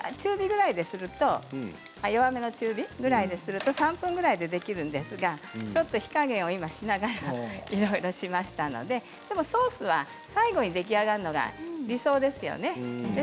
弱火の中火ぐらいですると３分ぐらいでできるんですが今、火加減をしながらいろいろしましたのででもソースは最後に出来上がるのが理想ですよね。